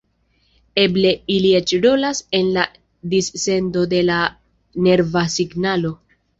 Eble ili eĉ rolas en la dissendo de la nerva signalo.